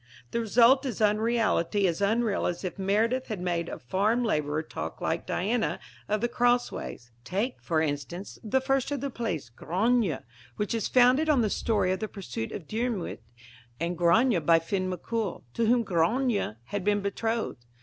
The result is unreality as unreal as if Meredith had made a farm labourer talk like Diana of the Crossways. Take, for instance, the first of the plays, Grania, which is founded on the story of the pursuit of Diarmuid and Grania by Finn MacCool, to whom Grania had been betrothed.